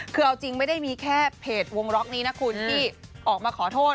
คือเอาจริงไม่ได้มีแค่เพจวงล็อกนี้นะคุณที่ออกมาขอโทษ